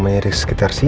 hope udah nyuruh